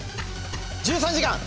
１３時間！